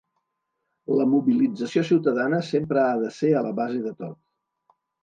La mobilització ciutadana sempre ha de ser a la base de tot.